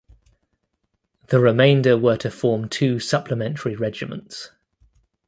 The remainder were to form two supplementary regiments.